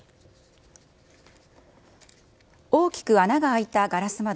大きく穴が開いたガラス窓。